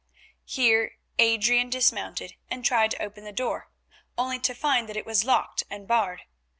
Here Adrian dismounted and tried to open the door, only to find that it was locked and barred.